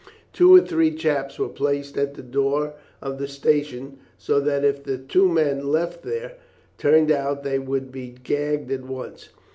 Two or three chaps were placed at the door of the station, so that if the two men left there turned out they would be gagged at once.